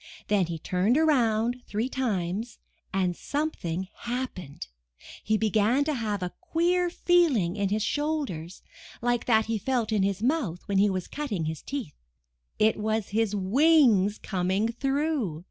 Then he turned around three times and something happened. He began to have a queer feeling in his shoulders, like that he felt in his mouth when he was cutting his teeth. It was his wings coming through.